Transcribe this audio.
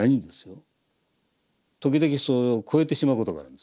時々それを超えてしまうことがあるんですよ。